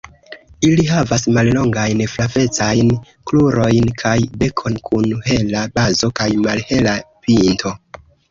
Ili havas mallongajn flavecajn krurojn kaj bekon kun hela bazo kaj malhela pinto.